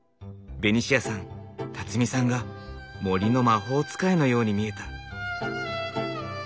ベニシアさんさんが森の魔法使いのように見えた。